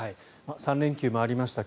３連休もありました。